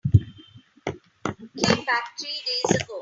Came back three days ago.